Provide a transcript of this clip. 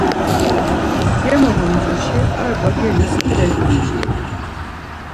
Gemolumcuşi ar bagenis kelebinciri.